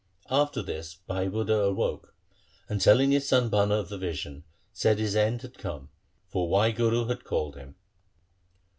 After this Bhai Budha awoke, and telling his son Bhana of the vision, said his end had come, for Wahguru had called him.